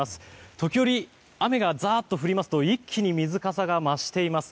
時折、雨がザッと降りますと一気に水かさが増しています。